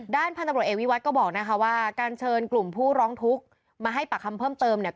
พันธุ์ตำรวจเอกวิวัฒน์ก็บอกนะคะว่าการเชิญกลุ่มผู้ร้องทุกข์มาให้ปากคำเพิ่มเติมเนี่ย